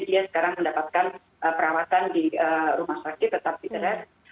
dia sekarang mendapatkan perawatan di rumah sakit tetap gitu kan